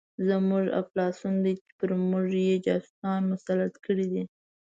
زموږ افلاس دی چې پر موږ یې جاسوسان مسلط کړي دي.